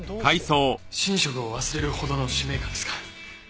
寝食を忘れるほどの使命感ですか。